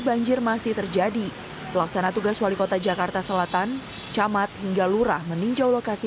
banjir masih terjadi pelaksana tugas wali kota jakarta selatan camat hingga lurah meninjau lokasi